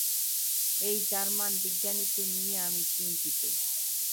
এই জার্মান বিজ্ঞানীকে নিয়ে আমি চিন্তিত।